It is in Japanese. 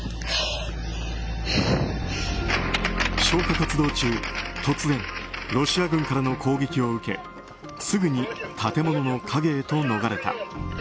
消火活動中、突然ロシア軍からの攻撃を受けすぐに建物の陰へと逃れた。